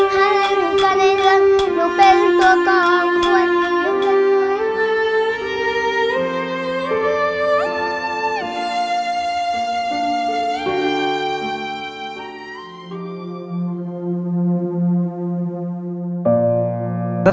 ห้าเล่นหนูกันให้เริ่มหนูเป็นตัวกรควร